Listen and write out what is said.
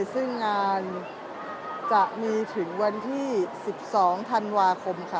ซึ่งงานจะมีถึงวันที่๑๒ธันวาคมค่ะ